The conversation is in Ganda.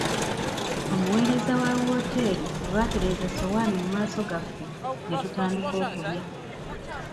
Omuweereza wa wooteri olwatereeza essowaani mu maaso gaffe ne tutandika okulya.